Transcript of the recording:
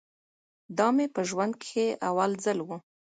دا مې په ژوند کښې اول ځل و.